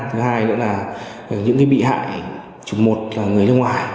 thứ hai nữa là những bị hại chụp một là người nước ngoài